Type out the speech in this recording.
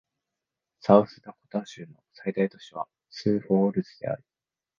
サウスダコタ州の最大都市はスーフォールズである